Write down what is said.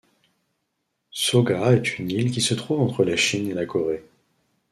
Sooga est une île qui se trouve entre la Chine et la Corée.